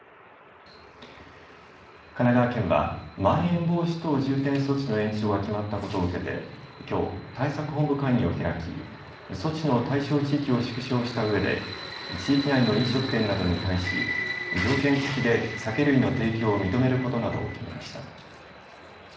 神奈川県はまん延防止等重点措置の延長が決まったことを受けてきょう、対策本部会議を開き措置の対象地域を縮小したうえで地域内の飲食店などに対し条件付きで酒類の提供を認めることなどを決めました。